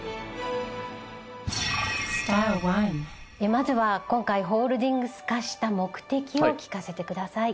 まずは今回ホールディングス化した目的を聞かせてください。